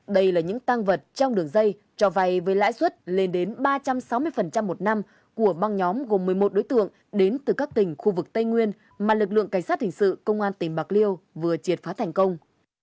đây là những tăng vật trong đường dây cho vay với lãi suất lên đến ba trăm sáu mươi một năm của băng nhóm gồm một mươi một đối tượng đến từ các tỉnh khu vực tây nguyên mà lực lượng cảnh sát hình sự công an tỉnh bạc liêu vừa triệt phá thành công